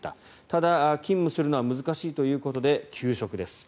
ただ、勤務するのは難しいということで休職です。